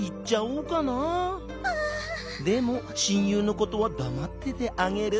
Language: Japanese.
「でもしんゆうのことはだまっててあげる」。